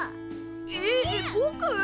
えっぼく！？